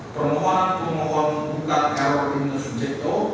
permohonan pengohon bukan karur itu subjekto